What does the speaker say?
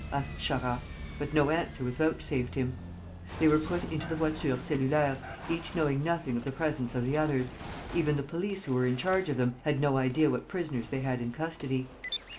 asked Charras, but no answer was vouchsafed him. They were put into the voitures cellulaires, each knowing nothing of the presence of the others; even the police who were in charge of them, had no idea what prisoners they had in custody.